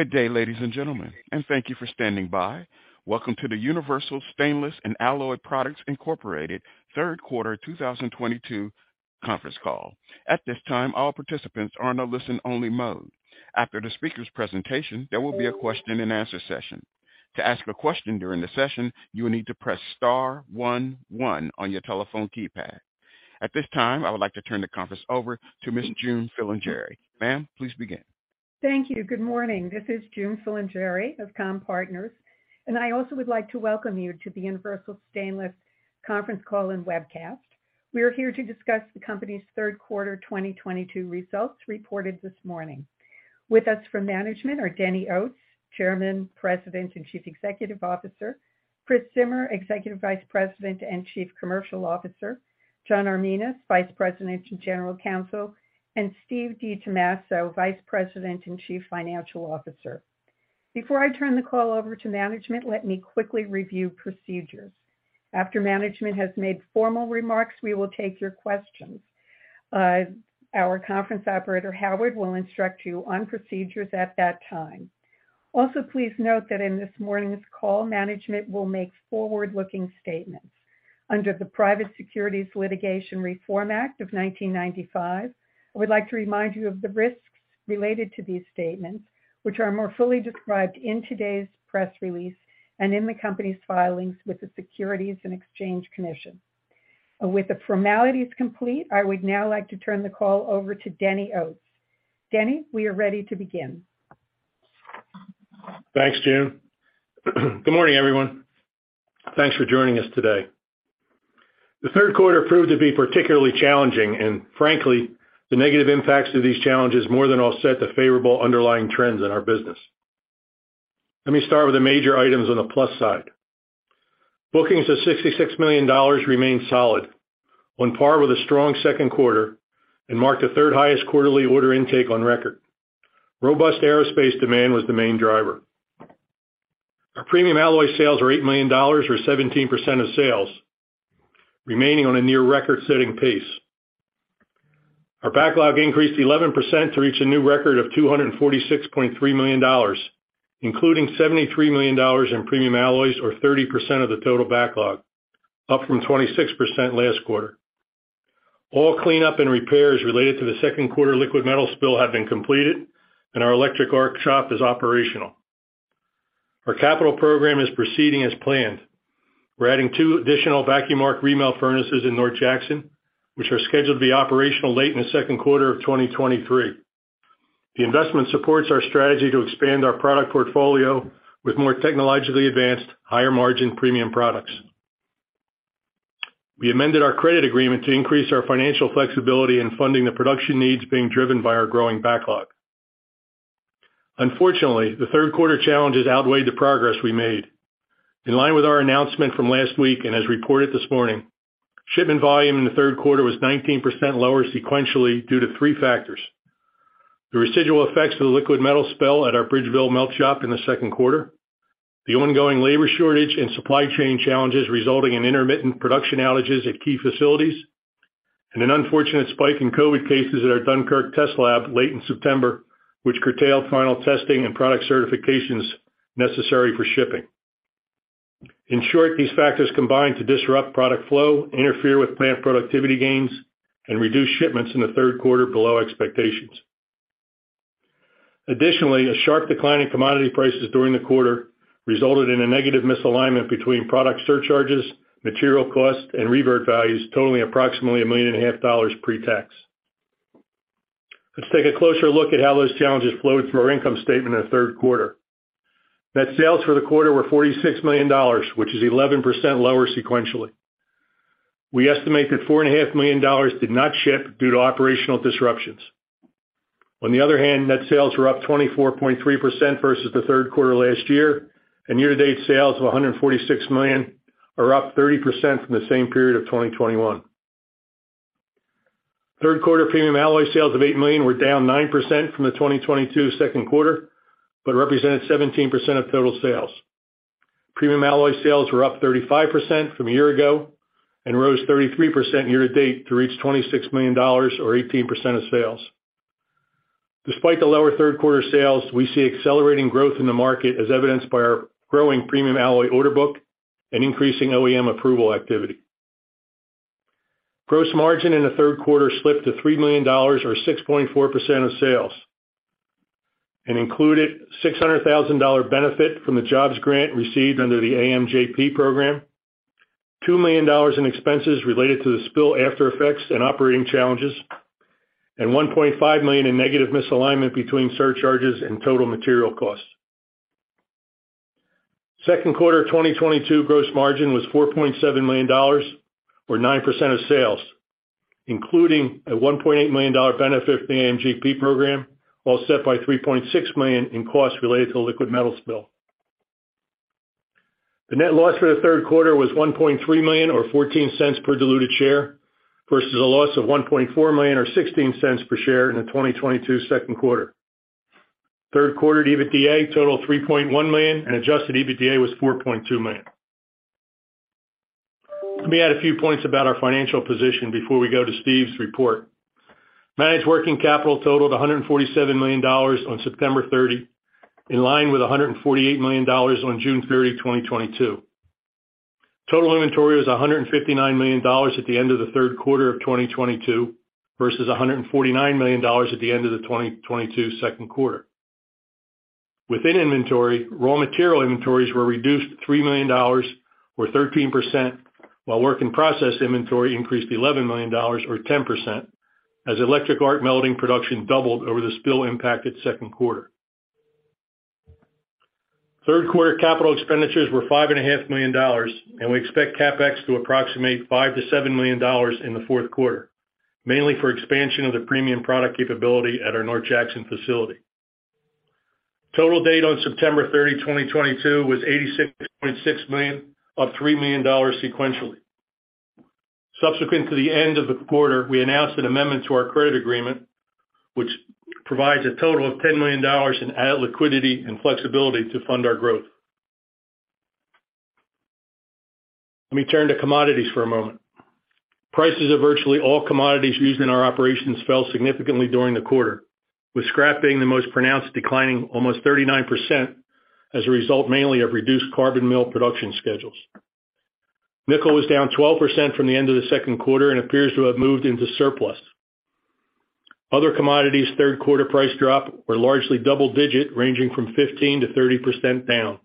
Good day, ladies and gentlemen, and thank you for standing by. Welcome to the Universal Stainless & Alloy Products, Inc. third quarter 2022 conference call. At this time, all participants are in a listen-only mode. After the speaker's presentation, there will be a question and answer session. To ask a question during the session, you will need to press star one one on your telephone keypad. At this time, I would like to turn the conference over to Miss June Filingeri. Ma'am, please begin. Thank you. Good morning. This is June Filingeri of Comm-Partners, and I also would like to welcome you to the Universal Stainless conference call and webcast. We are here to discuss the company's third quarter 2022 results reported this morning. With us from management are Dennis Oates, Chairman, President, and Chief Executive Officer, Christopher Zimmer, Executive Vice President and Chief Commercial Officer, John Arminas, Vice President and General Counsel, and Steven DiTommaso, Vice President and Chief Financial Officer. Before I turn the call over to management, let me quickly review procedures. After management has made formal remarks, we will take your questions. Our conference operator, Howard, will instruct you on procedures at that time. Also, please note that in this morning's call, management will make forward-looking statements. Under the Private Securities Litigation Reform Act of 1995, I would like to remind you of the risks related to these statements, which are more fully described in today's press release and in the company's filings with the Securities and Exchange Commission. With the formalities complete, I would now like to turn the call over to Dennis Oates. Denny, we are ready to begin. Thanks, June. Good morning, everyone. Thanks for joining us today. The third quarter proved to be particularly challenging, and frankly, the negative impacts to these challenges more than offset the favorable underlying trends in our business. Let me start with the major items on the plus side. Bookings of $66 million remain solid, on par with a strong second quarter, and marked the third highest quarterly order intake on record. Robust aerospace demand was the main driver. Our premium alloy sales are $8 million or 17% of sales, remaining on a near-record-setting pace. Our backlog increased 11% to reach a new record of $246.3 million, including $73 million in premium alloys or 30% of the total backlog, up from 26% last quarter. All cleanup and repairs related to the second quarter liquid metal spill have been completed, and our electric arc shop is operational. Our capital program is proceeding as planned. We're adding two additional VAR remelt furnaces in North Jackson, which are scheduled to be operational late in the second quarter of 2023. The investment supports our strategy to expand our product portfolio with more technologically advanced, higher margin premium products. We amended our credit agreement to increase our financial flexibility in funding the production needs being driven by our growing backlog. Unfortunately, the third quarter challenges outweighed the progress we made. In line with our announcement from last week and as reported this morning, shipment volume in the third quarter was 19% lower sequentially due to 3 factors. The residual effects of the liquid metal spill at our Bridgeville melt shop in the second quarter, the ongoing labor shortage and supply chain challenges resulting in intermittent production outages at key facilities, and an unfortunate spike in COVID cases at our Dunkirk test lab late in September, which curtailed final testing and product certifications necessary for shipping. In short, these factors combined to disrupt product flow, interfere with plant productivity gains, and reduce shipments in the third quarter below expectations. Additionally, a sharp decline in commodity prices during the quarter resulted in a negative misalignment between product surcharges, material costs, and revert values totaling approximately $1.5 million pre-tax. Let's take a closer look at how those challenges flowed through our income statement in the third quarter. Net sales for the quarter were $46 million, which is 11% lower sequentially. We estimate that $4.5 million did not ship due to operational disruptions. Net sales were up 24.3% versus the third quarter last year, and year-to-date sales of $146 million are up 30% from the same period of 2021. Third quarter premium alloy sales of $8 million were down 9% from the 2022 second quarter, but represented 17% of total sales. Premium alloy sales were up 35% from a year ago and rose 33% year-to-date to reach $26 million or 18% of sales. Despite the lower third quarter sales, we see accelerating growth in the market as evidenced by our growing premium alloy order book and increasing OEM approval activity. Gross margin in the third quarter slipped to $3 million or 6.4% of sales, and included $600 thousand dollar benefit from the jobs grant received under the AMJP program, $2 million in expenses related to the spill after effects and operating challenges, and $1.5 million in negative misalignment between surcharges and total material costs. Second quarter of 2022 gross margin was $4.7 million or 9% of sales, including a $1.8 million dollar benefit from the AMJP program, offset by $3.6 million in costs related to the liquid metal spill. The net loss for the third quarter was $1.3 million or $0.14 per diluted share versus a loss of $1.4 million or $0.16 per share in the 2022 second quarter. Third quarter EBITDA totaled $3.1 million and adjusted EBITDA was $4.2 million. Let me add a few points about our financial position before we go to Steve's report. Managed working capital totaled $147 million on September 30, in line with $148 million on June 30, 2022. Total inventory was $159 million at the end of the third quarter of 2022 versus $149 million at the end of the 2022 second quarter. Within inventory, raw material inventories were reduced $3 million or 13%, while work in process inventory increased $11 million or 10% as electric arc melting production doubled over the spill impacted second quarter. Third quarter capital expenditures were $5.5 million, and we expect CapEx to approximate $5 million-$7 million in the fourth quarter, mainly for expansion of the premium product capability at our North Jackson facility. Total debt on September 30, 2022 was $86.6 million, up $3 million sequentially. Subsequent to the end of the quarter, we announced an amendment to our credit agreement, which provides a total of $10 million in added liquidity and flexibility to fund our growth. Let me turn to commodities for a moment. Prices of virtually all commodities used in our operations fell significantly during the quarter, with scrap being the most pronounced, declining almost 39% as a result mainly of reduced carbon mill production schedules. Nickel was down 12% from the end of the second quarter and appears to have moved into surplus. Other commodities' third quarter price drop were largely double-digit, ranging from 15%-30% down.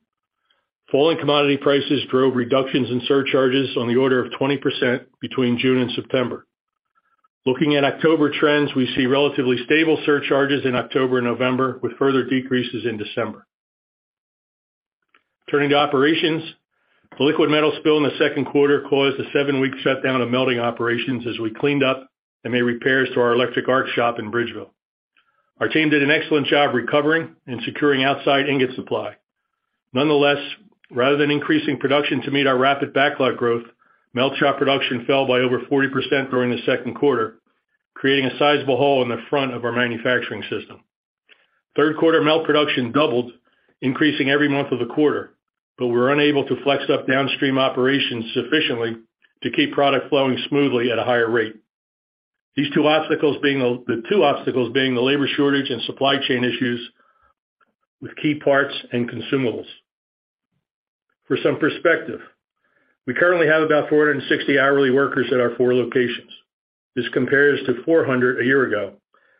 Falling commodity prices drove reductions in surcharges on the order of 20% between June and September. Looking at October trends, we see relatively stable surcharges in October and November, with further decreases in December. Turning to operations, the liquid metal spill in the second quarter caused a seven-week shutdown of melting operations as we cleaned up and made repairs to our electric arc shop in Bridgeville. Our team did an excellent job recovering and securing outside ingot supply. Nonetheless, rather than increasing production to meet our rapid backlog growth, melt shop production fell by over 40% during the second quarter, creating a sizable hole in the front of our manufacturing system. Third quarter melt production doubled, increasing every month of the quarter, but we were unable to flex up downstream operations sufficiently to keep product flowing smoothly at a higher rate. These two obstacles being the labor shortage and supply chain issues with key parts and consumables. For some perspective, we currently have about 460 hourly workers at our four locations. This compares to 400 a year ago,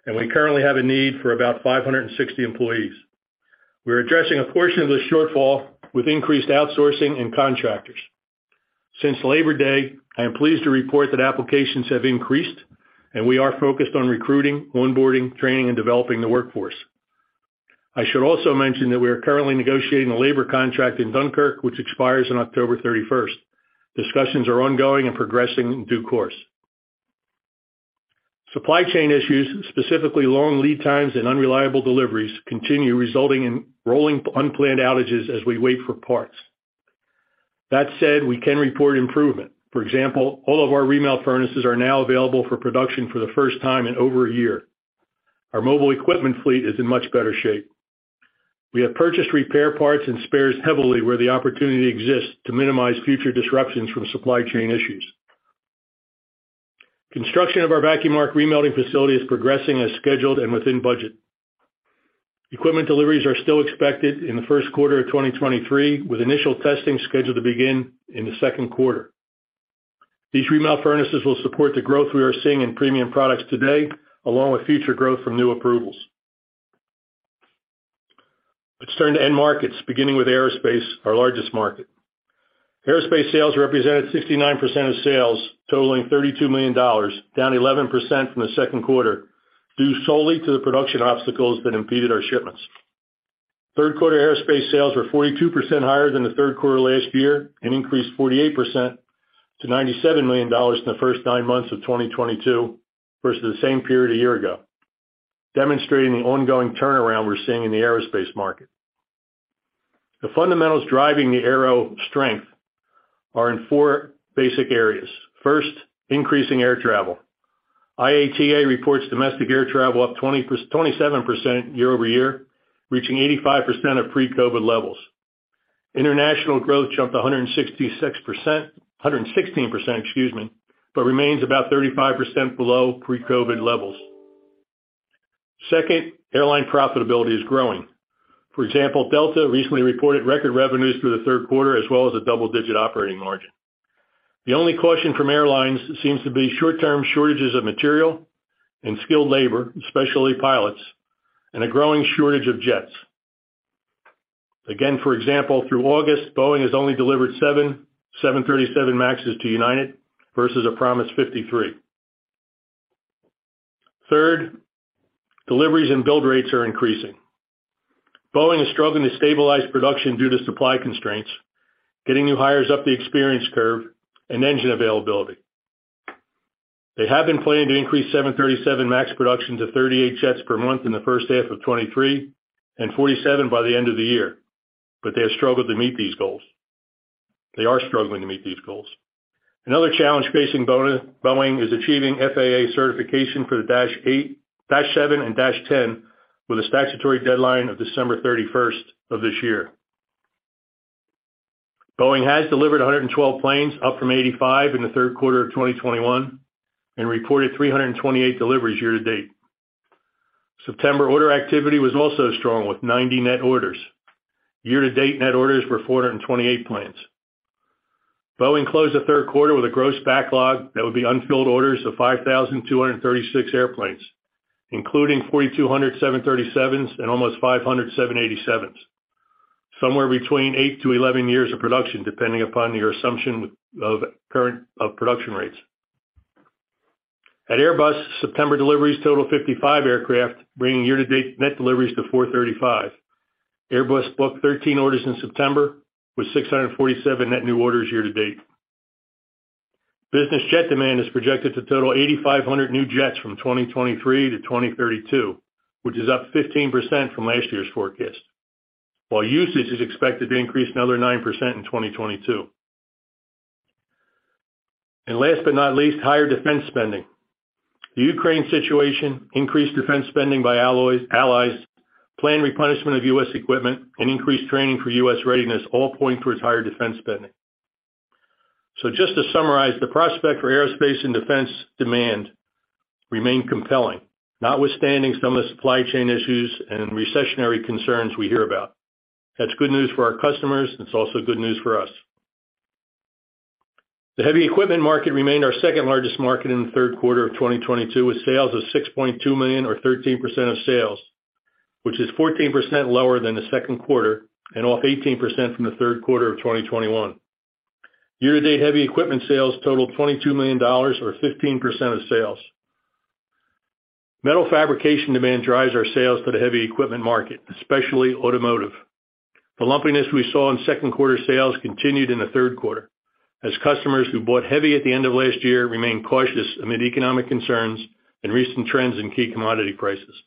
and we currently have a need for about 560 employees. We're addressing a portion of the shortfall with increased outsourcing and contractors. Since Labor Day, I am pleased to report that applications have increased, and we are focused on recruiting, onboarding, training, and developing the workforce. I should also mention that we are currently negotiating a labor contract in Dunkirk, which expires on October 31. Discussions are ongoing and progressing in due course. Supply chain issues, specifically long lead times and unreliable deliveries, continue resulting in rolling unplanned outages as we wait for parts. That said, we can report improvement. For example, all of our remelt furnaces are now available for production for the first time in over a year. Our mobile equipment fleet is in much better shape. We have purchased repair parts and spares heavily where the opportunity exists to minimize future disruptions from supply chain issues. Construction of our VAR remelting facility is progressing as scheduled and within budget. Equipment deliveries are still expected in the first quarter of 2023, with initial testing scheduled to begin in the second quarter. These remelt furnaces will support the growth we are seeing in premium products today, along with future growth from new approvals. Let's turn to end markets, beginning with aerospace, our largest market. Aerospace sales represented 69% of sales, totaling $32 million, down 11% from the second quarter, due solely to the production obstacles that impeded our shipments. Third quarter aerospace sales were 42% higher than the third quarter last year and increased 48% to $97 million in the first nine months of 2022 versus the same period a year ago, demonstrating the ongoing turnaround we're seeing in the aerospace market. The fundamentals driving the aero strength are in four basic areas. First, increasing air travel. IATA reports domestic air travel up 27% year-over-year, reaching 85% of pre-COVID levels. International growth jumped 116%, excuse me, but remains about 35% below pre-COVID levels. Second, airline profitability is growing. For example, Delta recently reported record revenues through the third quarter, as well as a double-digit operating margin. The only caution from airlines seems to be short-term shortages of material and skilled labor, especially pilots, and a growing shortage of jets. Again, for example, through August, Boeing has only delivered 7 737 MAXes to United versus a promised 53. Third, deliveries and build rates are increasing. Boeing is struggling to stabilize production due to supply constraints, getting new hires up the experience curve, and engine availability. They have been planning to increase 737 MAX production to 38 jets per month in the first half of 2023 and 47 by the end of the year, but they have struggled to meet these goals. They are struggling to meet these goals. Another challenge facing Boeing is achieving FAA certification for the dash eight, dash nine, and dash ten with a statutory deadline of December 31st of this year. Boeing has delivered 112 planes, up from 85 in the third quarter of 2021, and reported 328 deliveries year-to-date. September order activity was also strong, with 90 net orders. Year-to-date, net orders were 428 planes. Boeing closed the third quarter with a gross backlog, that is, unfilled orders of 5,236 airplanes, including 4,200 737s and almost 500 787s. Somewhere between eight-11 years of production, depending upon your assumption of current production rates. At Airbus, September deliveries total 55 aircraft, bringing year-to-date net deliveries to 435. Airbus booked 13 orders in September, with 647 net new orders year to date. Business jet demand is projected to total 8,500 new jets from 2023 to 2032, which is up 15% from last year's forecast. While usage is expected to increase another 9% in 2022. Last but not least, higher defense spending. The Ukraine situation, increased defense spending by all allies, planned replenishment of U.S. equipment, and increased training for U.S. readiness all point towards higher defense spending. Just to summarize, the prospect for aerospace and defense demand remain compelling, notwithstanding some of the supply chain issues and recessionary concerns we hear about. That's good news for our customers, and it's also good news for us. The heavy equipment market remained our second-largest market in the third quarter of 2022, with sales of $6.2 million or 13% of sales, which is 14% lower than the second quarter and off 18% from the third quarter of 2021. Year-to-date heavy equipment sales totaled $22 million, or 15% of sales. Metal fabrication demand drives our sales to the heavy equipment market, especially automotive. The lumpiness we saw in second quarter sales continued in the third quarter, as customers who bought heavy at the end of last year remained cautious amid economic concerns and recent trends in key commodity prices.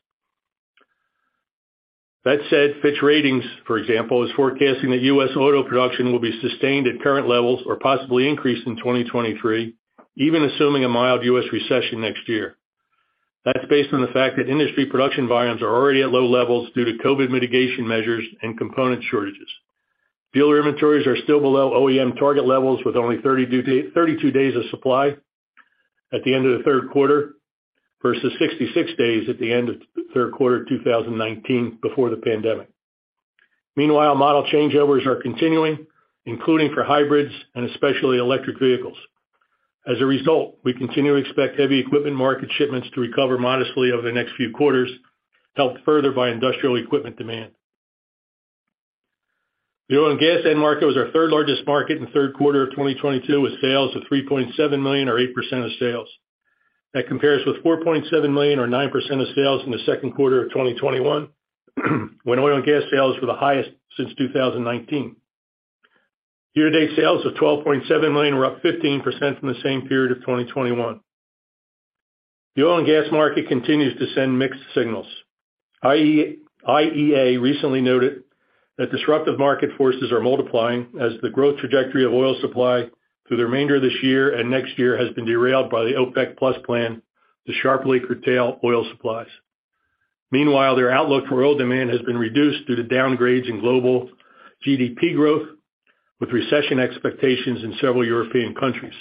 That said, Fitch Ratings, for example, is forecasting that U.S. auto production will be sustained at current levels or possibly increase in 2023, even assuming a mild U.S. recession next year. That's based on the fact that industry production volumes are already at low levels due to COVID mitigation measures and component shortages. Dealer inventories are still below OEM target levels, with only 32 days of supply at the end of the third quarter, versus 66 days at the end of third quarter 2019 before the pandemic. Meanwhile, model changeovers are continuing, including for hybrids and especially electric vehicles. As a result, we continue to expect heavy equipment market shipments to recover modestly over the next few quarters, helped further by industrial equipment demand. The oil and gas end market was our third-largest market in the third quarter of 2022, with sales of $3.7 million or 8% of sales. That compares with $4.7 million or 9% of sales in the second quarter of 2021, when oil and gas sales were the highest since 2019. Year-to-date sales of $12.7 million were up 15% from the same period of 2021. The oil and gas market continues to send mixed signals. IEA recently noted that disruptive market forces are multiplying as the growth trajectory of oil supply through the remainder of this year and next year has been derailed by the OPEC+ plan to sharply curtail oil supplies. Meanwhile, their outlook for oil demand has been reduced due to downgrades in global GDP growth, with recession expectations in several European countries.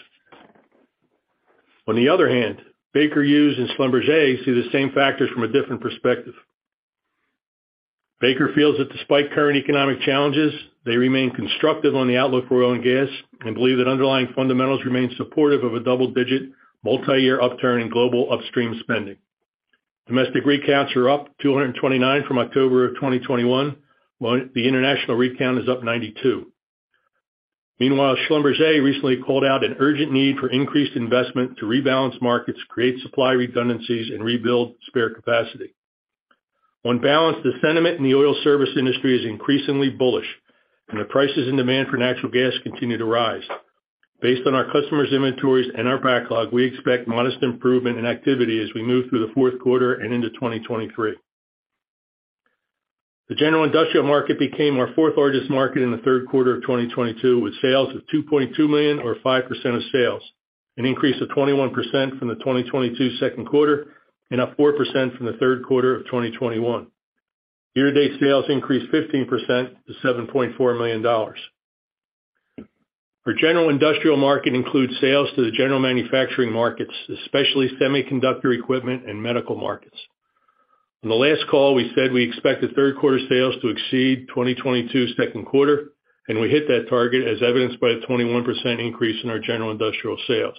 On the other hand, Baker Hughes and Schlumberger see the same factors from a different perspective. Baker Hughes feels that despite current economic challenges, they remain constructive on the outlook for oil and gas and believe that underlying fundamentals remain supportive of a double-digit, multi-year upturn in global upstream spending. Domestic rig counts are up 229 from October of 2021, while the international rig count is up 92. Meanwhile, Schlumberger recently called out an urgent need for increased investment to rebalance markets, create supply redundancies, and rebuild spare capacity. On balance, the sentiment in the oil service industry is increasingly bullish, and the prices and demand for natural gas continue to rise. Based on our customers' inventories and our backlog, we expect modest improvement in activity as we move through the fourth quarter and into 2023. The general industrial market became our fourth-largest market in the third quarter of 2022, with sales of $2.2 million or 5% of sales, an increase of 21% from the 2022 second quarter and up 4% from the third quarter of 2021. Year-to-date sales increased 15% to $7.4 million. Our general industrial market includes sales to the general manufacturing markets, especially semiconductor equipment and medical markets. On the last call, we said we expected third-quarter sales to exceed 2022's second quarter, and we hit that target, as evidenced by a 21% increase in our general industrial sales.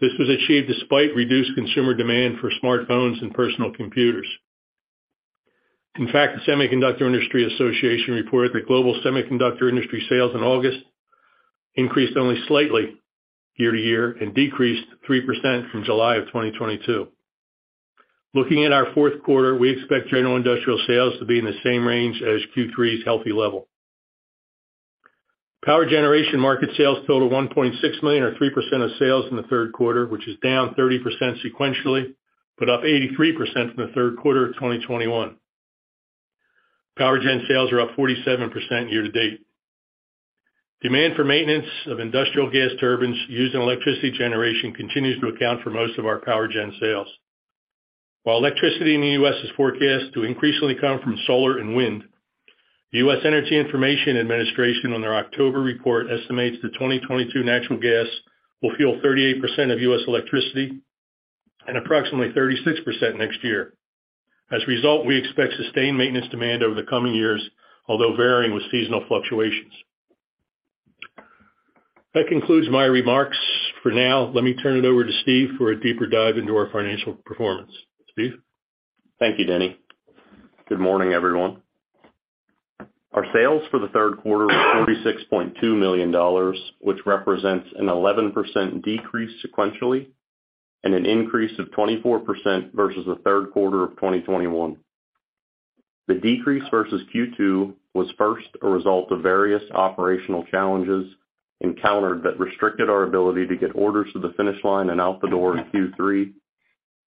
This was achieved despite reduced consumer demand for smartphones and personal computers. In fact, the Semiconductor Industry Association reported that global semiconductor industry sales in August increased only slightly year-over-year and decreased 3% from July of 2022. Looking at our fourth quarter, we expect general industrial sales to be in the same range as Q3's healthy level. Power generation market sales totaled $1.6 million or 3% of sales in the third quarter, which is down 30% sequentially, but up 83% from the third quarter of 2021. Power gen sales are up 47% year-to-date. Demand for maintenance of industrial gas turbines used in electricity generation continues to account for most of our power gen sales. While electricity in the U.S. is forecast to increasingly come from solar and wind, the U.S. Energy Information Administration on their October report estimates that 2022 natural gas will fuel 38% of U.S. electricity and approximately 36% next year. As a result, we expect sustained maintenance demand over the coming years, although varying with seasonal fluctuations. That concludes my remarks for now. Let me turn it over to Steve for a deeper dive into our financial performance. Steve? Thank you, Denny. Good morning, everyone. Our sales for the third quarter was $66.2 million, which represents an 11% decrease sequentially and an increase of 24% versus the third quarter of 2021. The decrease versus Q2 was first a result of various operational challenges encountered that restricted our ability to get orders to the finish line and out the door in Q3,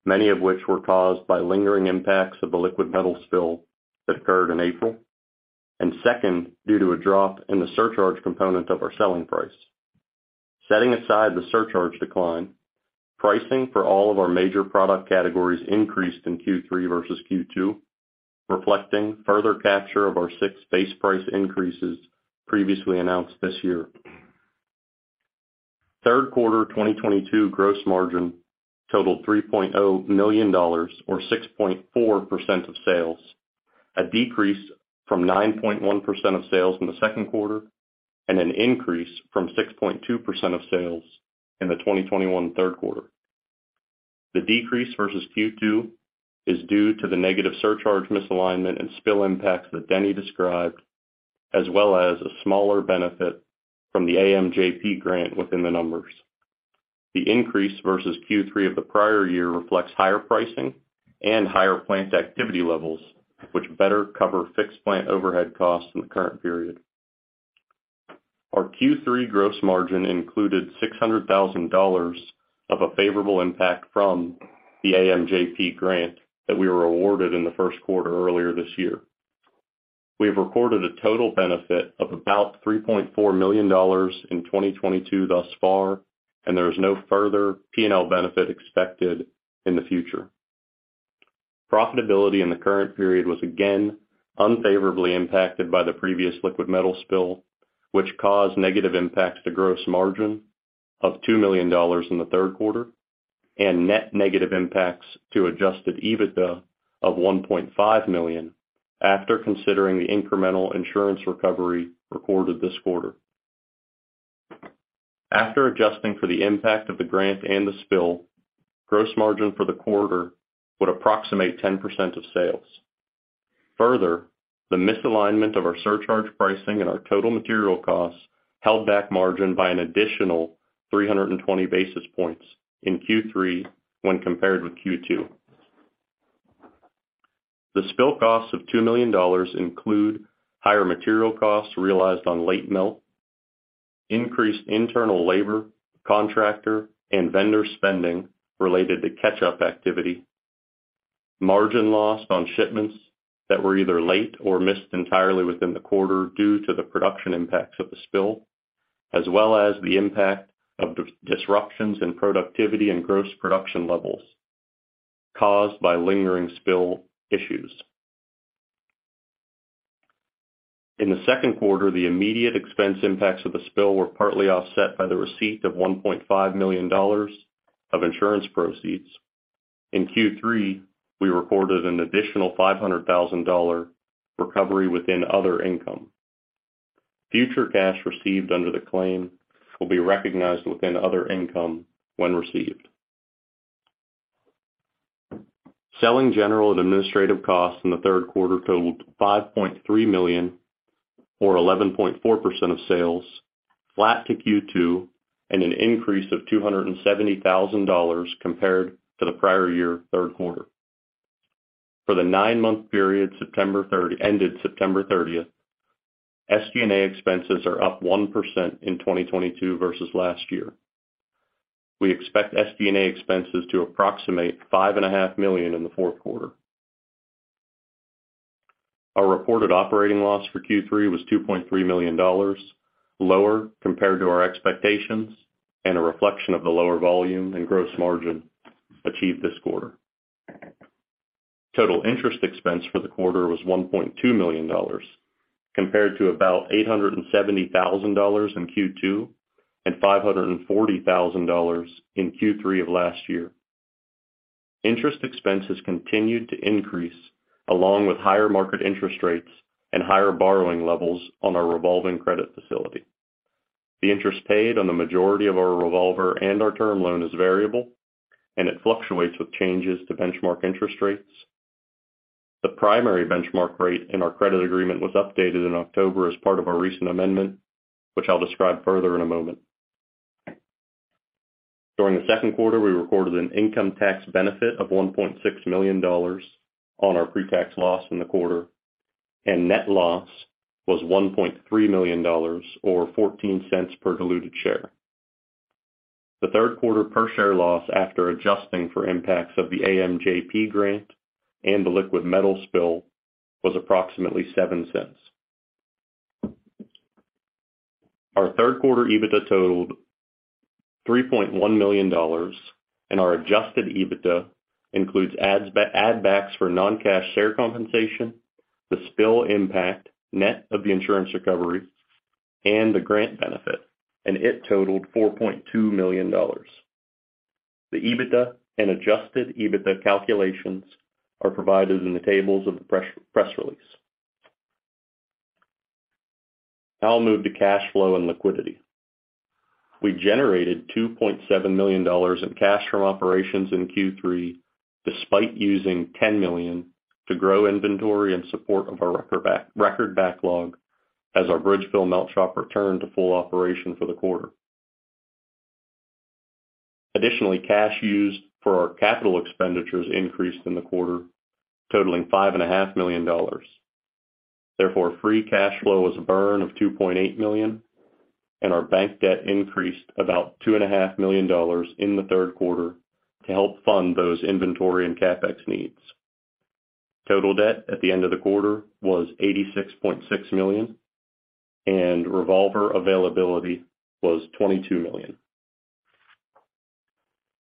many of which were caused by lingering impacts of the liquid metal spill that occurred in April, and second, due to a drop in the surcharge component of our selling price. Setting aside the surcharge decline, pricing for all of our major product categories increased in Q3 versus Q2, reflecting further capture of our six base price increases previously announced this year. Third quarter 2022 gross margin totaled $3.0 million or 6.4% of sales, a decrease from 9.1% of sales in the second quarter, and an increase from 6.2% of sales in the 2021 third quarter. The decrease versus Q2 is due to the negative surcharge misalignment and spill impacts that Denny described, as well as a smaller benefit from the AMJP grant within the numbers. The increase versus Q3 of the prior year reflects higher pricing and higher plant activity levels, which better cover fixed plant overhead costs in the current period. Our Q3 gross margin included $600,000 of a favorable impact from the AMJP grant that we were awarded in the first quarter earlier this year. We have recorded a total benefit of about $3.4 million in 2022 thus far, and there is no further P&L benefit expected in the future. Profitability in the current period was again unfavorably impacted by the previous liquid metal spill, which caused negative impacts to gross margin of $2 million in the third quarter and net negative impacts to adjusted EBITDA of $1.5 million after considering the incremental insurance recovery recorded this quarter. After adjusting for the impact of the grant and the spill, gross margin for the quarter would approximate 10% of sales. Further, the misalignment of our surcharge pricing and our total material costs held back margin by an additional 320 basis points in Q3 when compared with Q2. The spill costs of $2 million include higher material costs realized on late melt, increased internal labor, contractor and vendor spending related to catch-up activity, margin lost on shipments that were either late or missed entirely within the quarter due to the production impacts of the spill, as well as the impact of disruptions in productivity and gross production levels caused by lingering spill issues. In the second quarter, the immediate expense impacts of the spill were partly offset by the receipt of $1.5 million of insurance proceeds. In Q3, we recorded an additional $500,000 recovery within other income. Future cash received under the claim will be recognized within other income when received. Selling, general, and administrative costs in the third quarter totaled $5.3 million or 11.4% of sales, flat to Q2, and an increase of $270,000 compared to the prior year third quarter. For the nine-month period ended September 30, SG&A expenses are up 1% in 2022 versus last year. We expect SG&A expenses to approximate $5.5 million in the fourth quarter. Our reported operating loss for Q3 was $2.3 million, lower compared to our expectations and a reflection of the lower volume and gross margin achieved this quarter. Total interest expense for the quarter was $1.2 million compared to about $870,000 in Q2 and $540,000 in Q3 of last year. Interest expenses continued to increase along with higher market interest rates and higher borrowing levels on our revolving credit facility. The interest paid on the majority of our revolver and our term loan is variable, and it fluctuates with changes to benchmark interest rates. The primary benchmark rate in our credit agreement was updated in October as part of our recent amendment, which I'll describe further in a moment. During the second quarter, we recorded an income tax benefit of $1.6 million on our pretax loss in the quarter, and net loss was $1.3 million or $0.14 per diluted share. The third quarter per share loss after adjusting for impacts of the AMJP grant and the liquid metal spill was approximately $0.07. Our third quarter EBITDA totaled $3.1 million, and our adjusted EBITDA includes add backs for non-cash share compensation, the spill impact net of the insurance recovery and the grant benefit, and it totaled $4.2 million. The EBITDA and adjusted EBITDA calculations are provided in the tables of the press release. I'll move to cash flow and liquidity. We generated $2.7 million in cash from operations in Q3, despite using $10 million to grow inventory in support of our record backlog as our Bridgeville melt shop returned to full operation for the quarter. Additionally, cash used for our capital expenditures increased in the quarter, totaling $5.5 million. Therefore, free cash flow was a burn of $2.8 million, and our bank debt increased about $2.5 million in the third quarter to help fund those inventory and CapEx needs. Total debt at the end of the quarter was $86.6 million, and revolver availability was $22 million.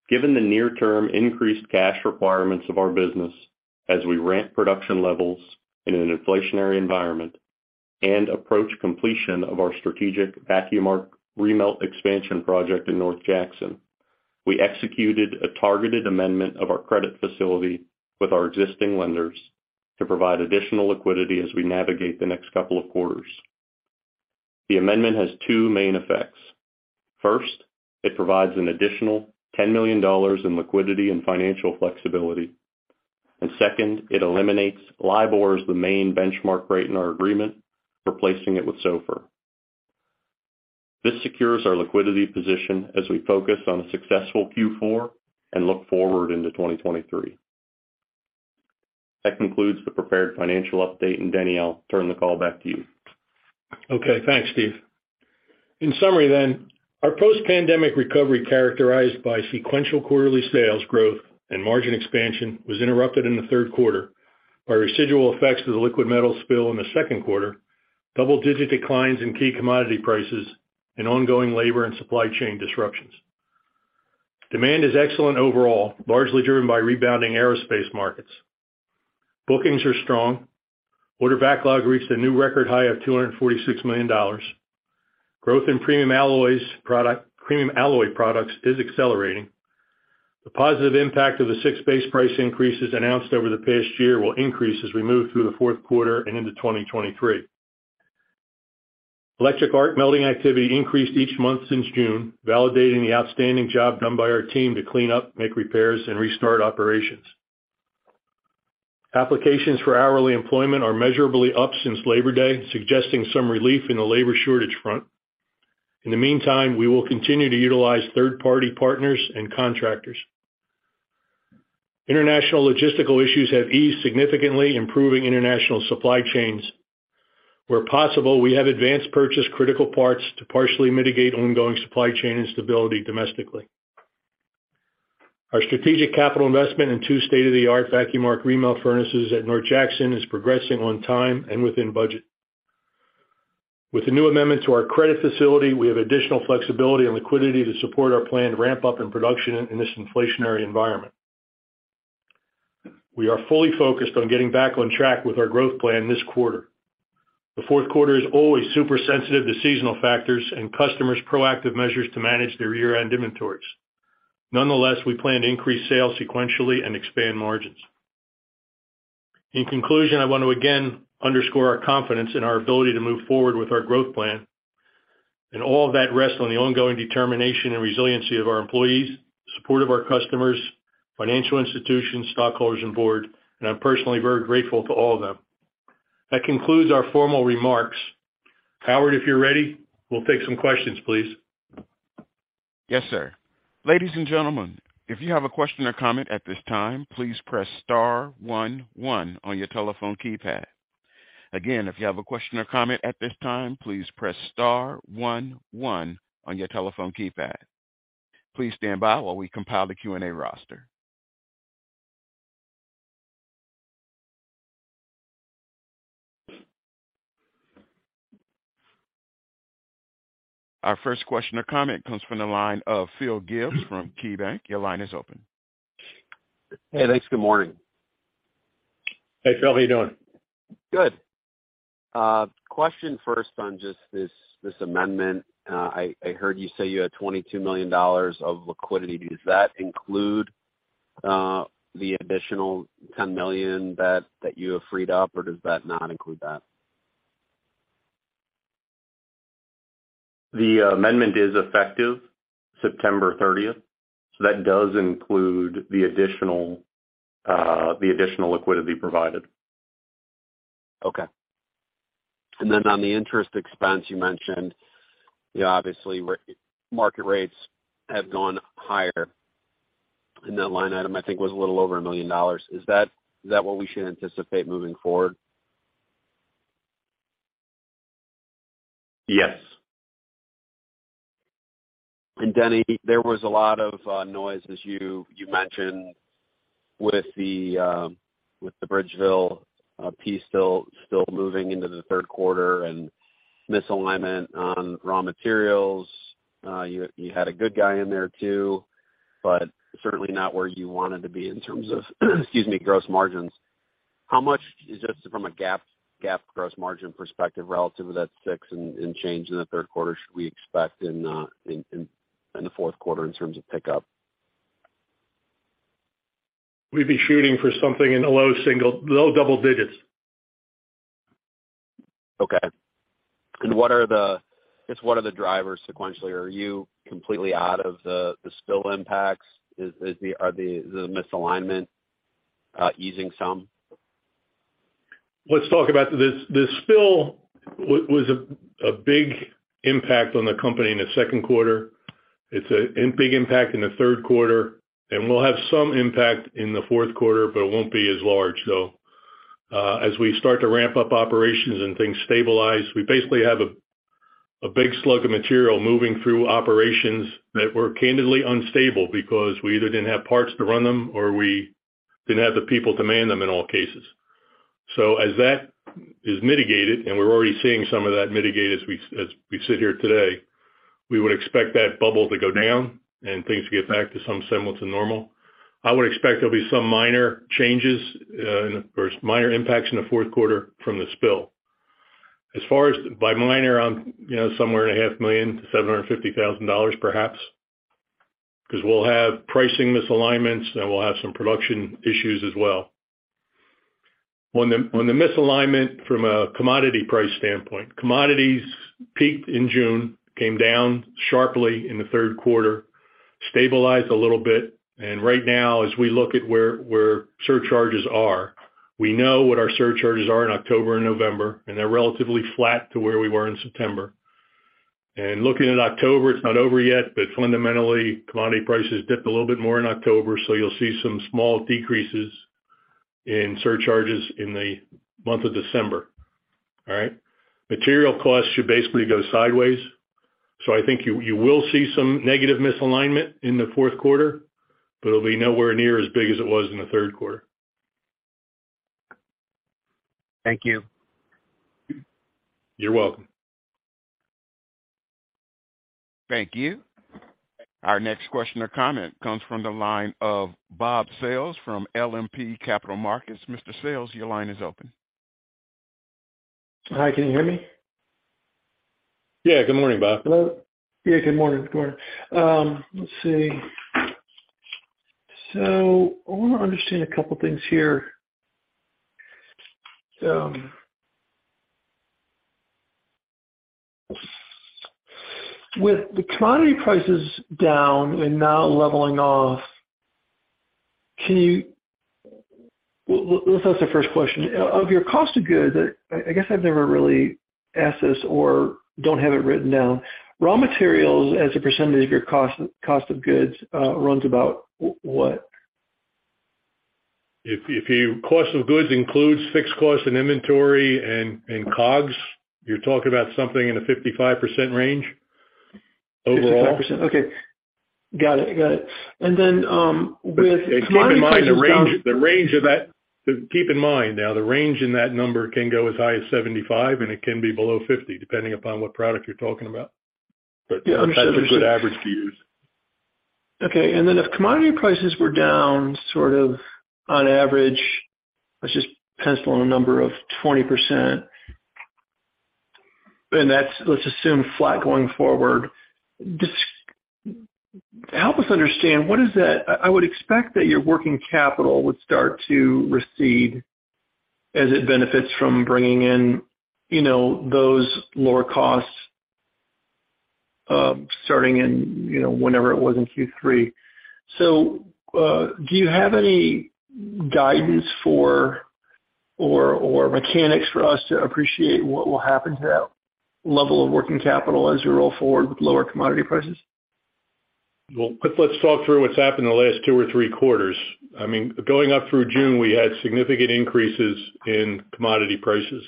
Given the near-term increased cash requirements of our business as we ramp production levels in an inflationary environment and approach completion of our strategic Vacuum Arc remelt expansion project in North Jackson, we executed a targeted amendment of our credit facility with our existing lenders to provide additional liquidity as we navigate the next couple of quarters. The amendment has two main effects. First, it provides an additional $10 million in liquidity and financial flexibility. Second, it eliminates LIBOR as the main benchmark rate in our agreement, replacing it with SOFR. This secures our liquidity position as we focus on a successful Q4 and look forward into 2023. That concludes the prepared financial update. Denny, I'll turn the call back to you. Okay, thanks, Steve. In summary, our post-pandemic recovery, characterized by sequential quarterly sales growth and margin expansion, was interrupted in the third quarter by residual effects of the liquid metal spill in the second quarter, double-digit declines in key commodity prices, and ongoing labor and supply chain disruptions. Demand is excellent overall, largely driven by rebounding aerospace markets. Bookings are strong. Order backlog reached a new record high of $246 million. Growth in premium alloy products is accelerating. The positive impact of the six base price increases announced over the past year will increase as we move through the fourth quarter and into 2023. Electric arc melting activity increased each month since June, validating the outstanding job done by our team to clean up, make repairs, and restart operations. Applications for hourly employment are measurably up since Labor Day, suggesting some relief in the labor shortage front. In the meantime, we will continue to utilize third-party partners and contractors. International logistical issues have eased, significantly improving international supply chains. Where possible, we have advance-purchased critical parts to partially mitigate ongoing supply chain instability domestically. Our strategic capital investment in two state-of-the-art VAR remelt furnaces at North Jackson is progressing on time and within budget. With the new amendment to our credit facility, we have additional flexibility and liquidity to support our planned ramp up in production in this inflationary environment. We are fully focused on getting back on track with our growth plan this quarter. The fourth quarter is always super sensitive to seasonal factors and customers' proactive measures to manage their year-end inventories. Nonetheless, we plan to increase sales sequentially and expand margins. In conclusion, I want to again underscore our confidence in our ability to move forward with our growth plan and all of that rests on the ongoing determination and resiliency of our employees, support of our customers, financial institutions, stockholders, and board, and I'm personally very grateful to all of them. That concludes our formal remarks. Howard, if you're ready, we'll take some questions, please. Yes, sir. Ladies and gentlemen, if you have a question or comment at this time, please press star one one on your telephone keypad. Again, if you have a question or comment at this time, please press star one one on your telephone keypad. Please stand by while we compile the Q&A roster. Our first question or comment comes from the line of Philip Gibbs from KeyBanc. Your line is open. Hey, thanks. Good morning. Hey, Phil. How you doing? Good. Question first on just this amendment. I heard you say you had $22 million of liquidity. Does that include the additional $10 million that you have freed up, or does that not include that? The amendment is effective September 30, so that does include the additional liquidity provided. Okay. On the interest expense you mentioned, you know, obviously market rates have gone higher, and that line item, I think, was a little over $1 million. Is that what we should anticipate moving forward? Yes. Denny, there was a lot of noise as you mentioned with the Bridgeville piece still moving into the third quarter and misalignment on raw materials. You had a good guy in there too, but certainly not where you wanted to be in terms of, excuse me, gross margins. How much is this from a GAAP gross margin perspective relative to that 6% and change in the third quarter? Should we expect in the fourth quarter in terms of pickup? We'd be shooting for something in the low single, low double digits. Okay. Just what are the drivers sequentially? Are you completely out of the spill impacts? Is the misalignment easing some? Let's talk about this. The spill was a big impact on the company in the second quarter. It's a big impact in the third quarter, and will have some impact in the fourth quarter, but it won't be as large, though. As we start to ramp up operations and things stabilize, we basically have a big slug of material moving through operations that were candidly unstable because we either didn't have parts to run them or we didn't have the people to man them in all cases. As that is mitigated, and we're already seeing some of that mitigate as we sit here today, we would expect that bubble to go down and things to get back to some semblance of normal. I would expect there'll be some minor changes or minor impacts in the fourth quarter from the spill. As far as bottom line, somewhere around a half million to $750,000 perhaps, because we'll have pricing misalignments, and we'll have some production issues as well. On the misalignment from a commodity price standpoint, commodities peaked in June, came down sharply in the third quarter, stabilized a little bit, and right now, as we look at where surcharges are, we know what our surcharges are in October and November, and they're relatively flat to where we were in September. Looking at October, it's not over yet, but fundamentally, commodity prices dipped a little bit more in October, so you'll see some small decreases in surcharges in the month of December. All right. Material costs should basically go sideways. I think you will see some negative misalignment in the fourth quarter, but it'll be nowhere near as big as it was in the third quarter. Thank you. You're welcome. Thank you. Our next question or comment comes from the line of Robert Sales from LMK Capital Management. Mr. Sales, your line is open. Hi, can you hear me? Yeah, good morning, Rob. Hello. Good morning. Good morning. I wanna understand a couple things here. With the commodity prices down and now leveling off, let's ask the first question. Of your cost of goods, I guess I've never really asked this or don't have it written down. Raw materials as a percentage of your cost of goods, runs about what? If your cost of goods includes fixed costs and inventory and COGS, you're talking about something in the 55% range overall. 55%. Okay. Got it. With Keep in mind, now the range in that number can go as high as 75, and it can be below 50, depending upon what product you're talking about. Yeah, understood. That's a good average to use. Okay. Then if commodity prices were down, sort of on average, let's just pencil in a number of 20%, and that's, let's assume flat going forward. Just help us understand what that is. I would expect that your working capital would start to recede as it benefits from bringing in, you know, those lower costs, starting in, you know, whenever it was in Q3. Do you have any guidance for or mechanics for us to appreciate what will happen to that level of working capital as you roll forward with lower commodity prices? Well, let's talk through what's happened in the last two or three quarters. I mean, going up through June, we had significant increases in commodity prices.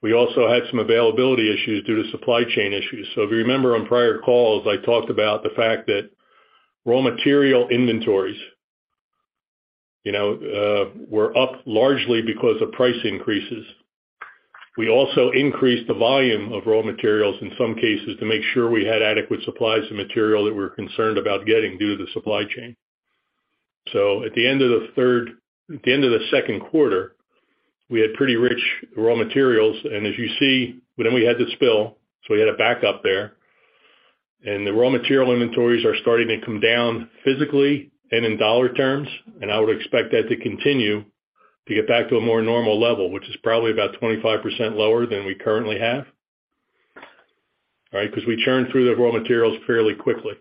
We also had some availability issues due to supply chain issues. If you remember on prior calls, I talked about the fact that raw material inventories, you know, were up largely because of price increases. We also increased the volume of raw materials in some cases to make sure we had adequate supplies of material that we're concerned about getting due to the supply chain. At the end of the second quarter, we had pretty rich raw materials, and as you see, then we had the spill, so we had a backup there. Raw material inventories are starting to come down physically and in dollar terms, and I would expect that to continue to get back to a more normal level, which is probably about 25% lower than we currently have. Right? 'Cause we churn through the raw materials fairly quickly.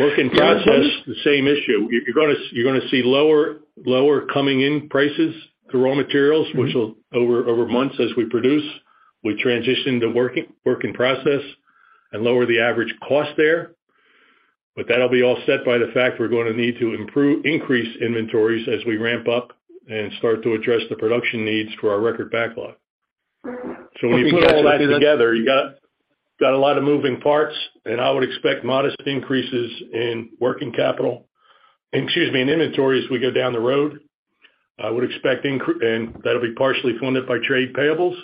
Work in process, the same issue. You're gonna see lower coming in prices to raw materials, which will over months as we produce, we transition to work in process and lower the average cost there. That'll be all set by the fact we're gonna need to increase inventories as we ramp up and start to address the production needs for our record backlog. When you put all that together, you got a lot of moving parts, and I would expect modest increases in working capital. Excuse me, in inventory as we go down the road. I would expect. That'll be partially funded by trade payables.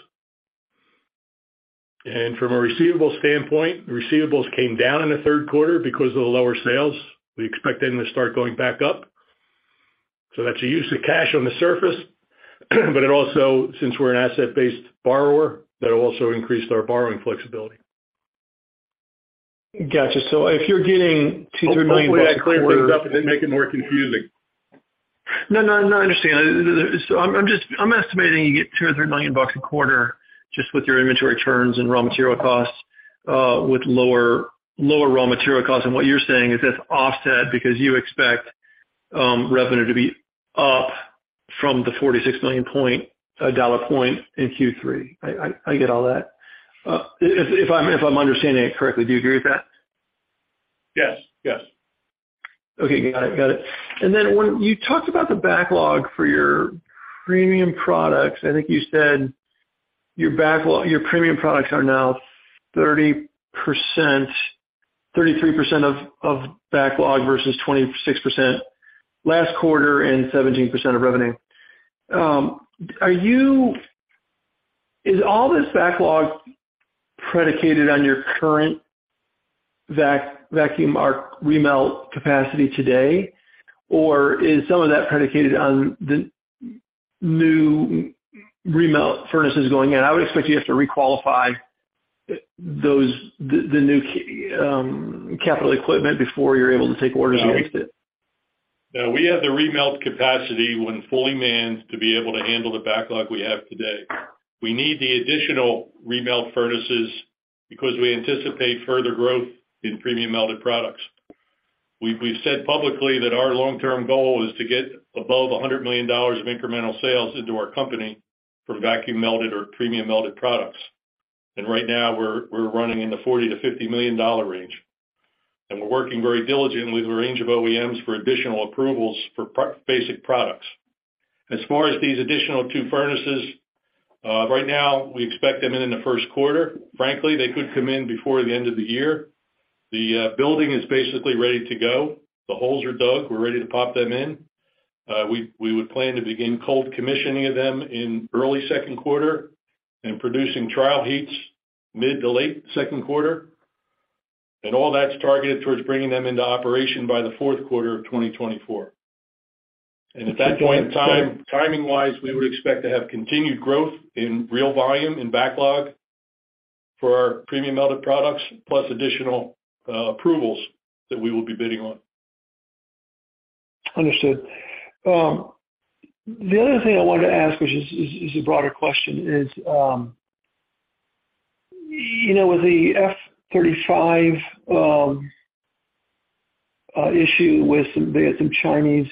From a receivable standpoint, receivables came down in the third quarter because of the lower sales. We expect them to start going back up. That's a use of cash on the surface, but it also, since we're an asset-based borrower, that also increased our borrowing flexibility. Got you. If you're getting $2-3 million a quarter- Hopefully I cleared things up and didn't make it more confusing. No, no, I understand. I'm estimating you get $2-$3 million a quarter just with your inventory turns and raw material costs with lower raw material costs. What you're saying is that's offset because you expect revenue to be up from the $46 million in Q3. I get all that. If I'm understanding it correctly, do you agree with that? Yes. Yes. Okay. Got it. When you talked about the backlog for your premium products, I think you said your premium products are now 30%, 33% of backlog versus 26% last quarter and 17% of revenue. Is all this backlog predicated on your current vacuum arc remelt capacity today? Or is some of that predicated on the new remelt furnaces going in? I would expect you have to re-qualify those, the new capital equipment before you're able to take orders against it. No, we have the remelt capacity when fully manned to be able to handle the backlog we have today. We need the additional remelt furnaces because we anticipate further growth in premium melted products. We've said publicly that our long-term goal is to get above $100 million of incremental sales into our company for vacuum melted or premium melted products. Right now we're running in the $40 million-$50 million range. We're working very diligently with a range of OEMs for additional approvals for basic products. As far as these additional two furnaces, right now we expect them in the first quarter. Frankly, they could come in before the end of the year. The building is basically ready to go. The holes are dug. We're ready to pop them in. We would plan to begin cold commissioning of them in early second quarter and producing trial heats mid to late second quarter. All that's targeted towards bringing them into operation by the fourth quarter of 2024. At that point in time, timing-wise, we would expect to have continued growth in real volume in backlog for our premium melted products, plus additional approvals that we will be bidding on. Understood. The other thing I wanted to ask, which is a broader question, you know, with the F-35 issue with some Chinese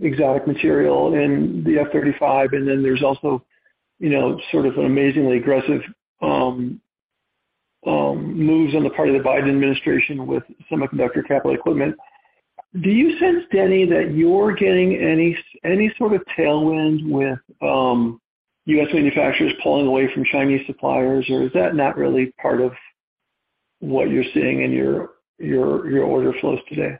exotic material in the F-35, and then there's also, you know, sort of an amazingly aggressive moves on the part of the Biden administration with semiconductor capital equipment. Do you sense, Denny, that you're getting any sort of tailwind with U.S. manufacturers pulling away from Chinese suppliers, or is that not really part of what you're seeing in your order flows today?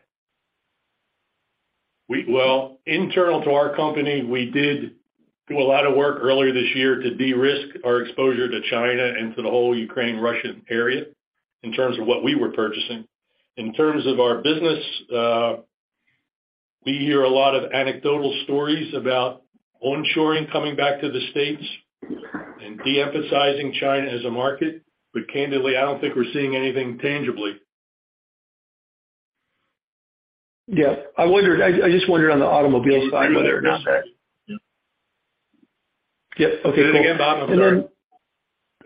Well, internal to our company, we did do a lot of work earlier this year to de-risk our exposure to China and to the whole Ukraine-Russia area in terms of what we were purchasing. In terms of our business, we hear a lot of anecdotal stories about onshoring coming back to the States and de-emphasizing China as a market. Candidly, I don't think we're seeing anything tangibly. Yeah. I just wondered on the automobile side whether or not that- Say that again, Rob, I'm sorry. Yep.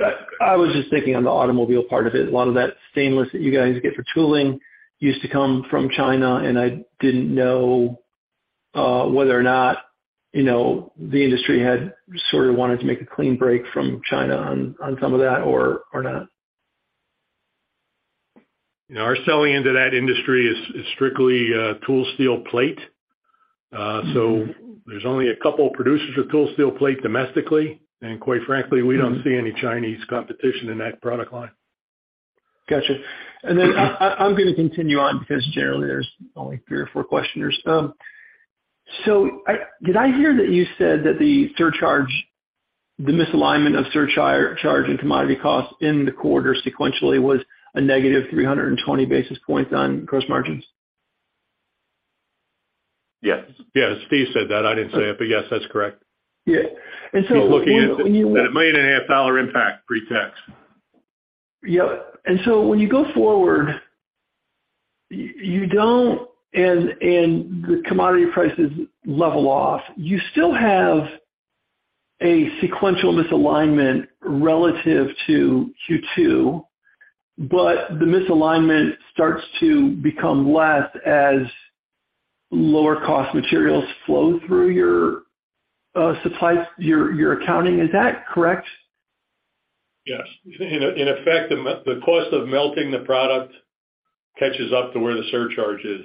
Okay. I was just thinking on the automobile part of it, a lot of that stainless that you guys get for tooling used to come from China, and I didn't know whether or not, you know, the industry had sort of wanted to make a clean break from China on some of that or not. You know, our selling into that industry is strictly tool steel plate. There's only a couple of producers of tool steel plate domestically, and quite frankly, we don't see any Chinese competition in that product line. Gotcha. I'm gonna continue on because generally there's only three or four questioners. Did I hear that you said that the surcharge, the misalignment of surcharge and commodity costs in the quarter sequentially was a negative 320 basis points on gross margins? Yes. Yes. Steve said that. I didn't say it, but yes, that's correct. Yeah. When you- He's looking at it. $1.5 million impact pre-tax. Yeah. When you go forward, you don't, and the commodity prices level off, you still have a sequential misalignment relative to Q2, but the misalignment starts to become less as lower cost materials flow through your supply, your accounting. Is that correct? Yes. In effect, the cost of melting the product catches up to where the surcharge is.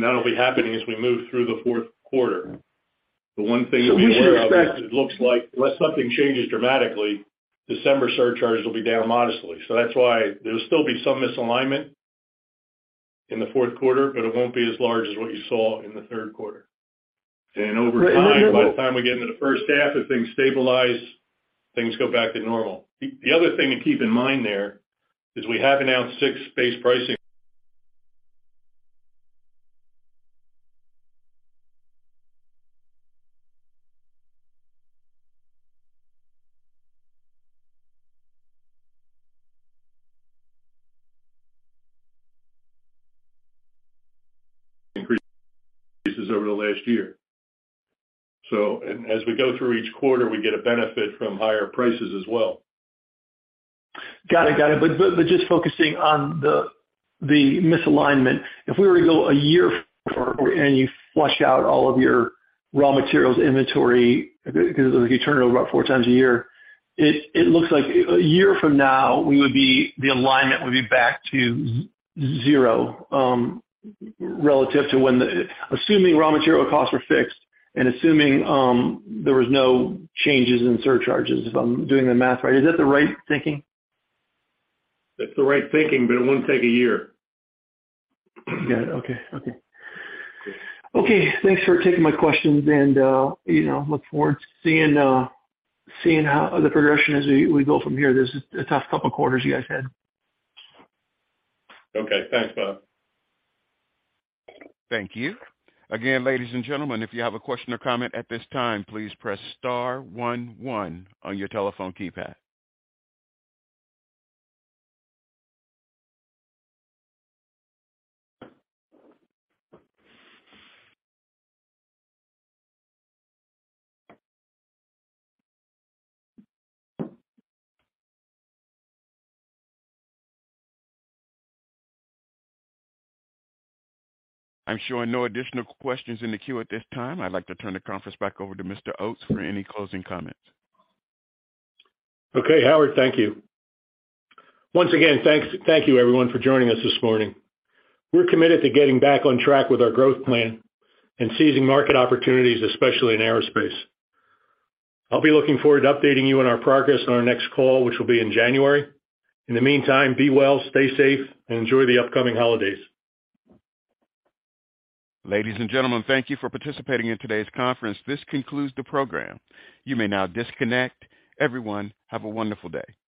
That'll be happening as we move through the fourth quarter. The one thing to be aware of is it looks like unless something changes dramatically, December surcharges will be down modestly. That's why there'll still be some misalignment in the fourth quarter, but it won't be as large as what you saw in the third quarter. Over time, by the time we get into the first half, as things stabilize, things go back to normal. The other thing to keep in mind there is we have announced six base price increases over the last year. As we go through each quarter, we get a benefit from higher prices as well. Got it. Just focusing on the misalignment. If we were to go a year forward and you flush out all of your raw materials inventory because you turn it over about four times a year, it looks like a year from now, the alignment would be back to zero. Assuming raw material costs were fixed and assuming there was no changes in surcharges, if I'm doing the math right, is that the right thinking? That's the right thinking, but it wouldn't take a year. Got it. Okay, thanks for taking my questions and, you know, look forward to seeing how the progression as we go from here. This is a tough couple quarters you guys had. Okay. Thanks, Rob. Thank you. Again, ladies and gentlemen, if you have a question or comment at this time, please press star one one on your telephone keypad. I'm showing no additional questions in the queue at this time. I'd like to turn the conference back over to Mr. Oates for any closing comments. Okay, Howard, thank you. Once again, thanks, thank you everyone for joining us this morning. We're committed to getting back on track with our growth plan and seizing market opportunities, especially in aerospace. I'll be looking forward to updating you on our progress on our next call, which will be in January. In the meantime, be well, stay safe, and enjoy the upcoming holidays. Ladies and gentlemen, thank you for participating in today's conference. This concludes the program. You may now disconnect. Everyone, have a wonderful day.